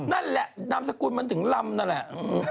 นั่นแหละนามสกุลมันถึงลำนั่นแหละ